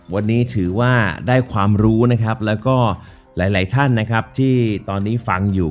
วันนี้ถือว่าได้ความรู้นะครับแล้วก็หลายท่านนะครับที่ตอนนี้ฟังอยู่